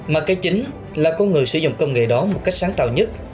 mà cái chính là con người sử dụng công nghệ đó một cách sáng tạo nhất